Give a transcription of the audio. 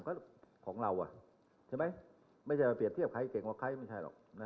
ก็ของเราใช่ไหมไม่ใช่เราเปรียบเทียบใครเก่งกว่าใครไม่ใช่หรอก